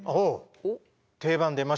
定番出ましたね。